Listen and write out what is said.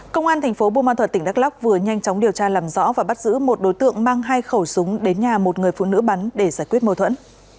công an thành phố buôn ma thuật tỉnh đắk lóc vừa nhanh chóng điều tra làm rõ và bắt giữ một đối tượng mang hai khẩu súng đến nhà một người phụ nữ bắn để giải quyết mâu thuẫn